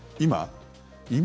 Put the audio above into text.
今？